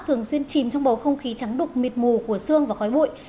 thường xuyên chìm trong bầu không khí trắng đục mịt mù của sương và khói bụi